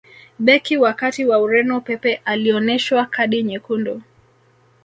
beki wa kati wa ureno pepe alioneshwa kadi nyekundu